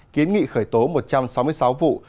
kiến nghị khởi tố một trăm sáu mươi sáu vụ